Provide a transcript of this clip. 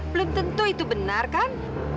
belum tentu itu benar kan